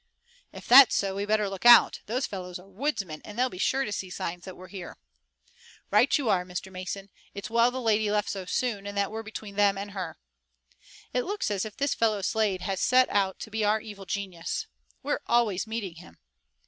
"If that's so we'd better look out. Those fellows are woodsmen and they'll be sure to see signs that we're here." "Right you are, Mr. Mason. It's well the lady left so soon, and that we're between them and her." "It looks as if this fellow Slade had set out to be our evil genius. We're always meeting him."